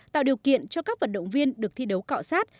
tạo điều kiện cho các vận động viên được thi đấu cọ sát